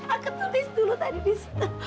aku tulis dulu tadi di situ